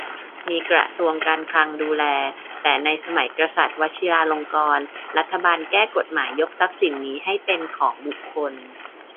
มีกระทรวงการคลังดูแล แต่ในสมัยกษัตริย์วชิราลงกรณ์ รัฐบาลแก้กฎหมายยกทรัพย์สินนี้ให้เป็นของบุคคล